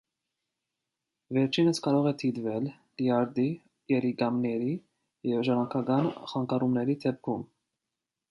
Վերջինս կարող է դիտվել լյարդի, երիկամների և ժառանգական խանգարումների դեպքում։